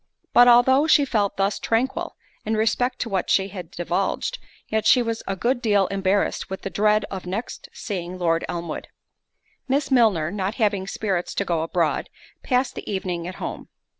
But although she felt thus tranquil, in respect to what she had divulged, yet she was a good deal embarrassed with the dread of next seeing Lord Elmwood. Miss Milner, not having spirits to go abroad, passed the evening at home.